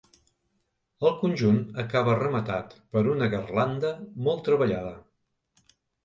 El conjunt acaba rematat per una garlanda molt treballada.